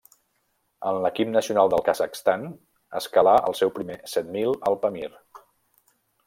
Amb l'equip nacional del Kazakhstan escalà el seu primer set mil al Pamir.